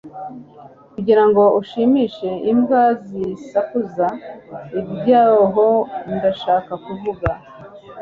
kugirango ushimishe imbwa zisakuza. ibyuho ndashaka kuvuga